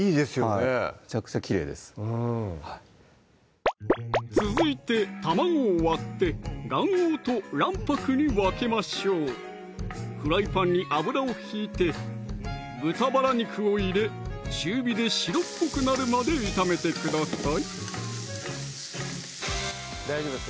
めちゃくちゃきれいですうん続いて卵を割って卵黄と卵白に分けましょうフライパンに油を引いて豚バラ肉を入れ中火で白っぽくなるまで炒めてください